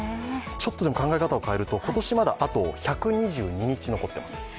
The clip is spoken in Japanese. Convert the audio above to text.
ちょっと考え方を考えると今年、あと１２２日残ってます。